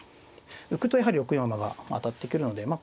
浮くとやはり６四馬が当たってくるのでまあ